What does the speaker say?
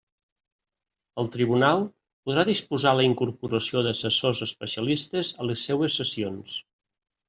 El tribunal podrà disposar la incorporació d'assessors especialistes a les seues sessions.